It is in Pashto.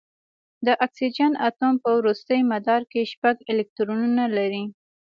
د اکسیجن اتوم په وروستي مدار کې شپږ الکترونونه لري.